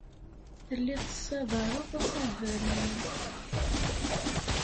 Telliḍ tessadareḍ asaber-nni.